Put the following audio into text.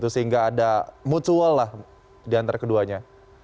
sehingga ada mutual lah di antara keduanya